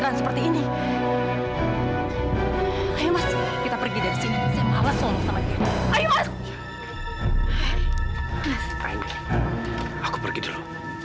aku pergi dulu